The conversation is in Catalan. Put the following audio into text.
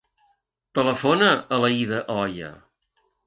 Telefona a l'Aïda Oya.